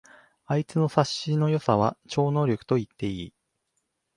あいつの察しの良さは超能力と言っていい